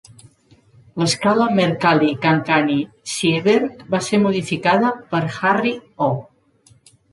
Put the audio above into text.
L'escala Mercalli-Cancani-Sieberg va ser modificada per Harry O.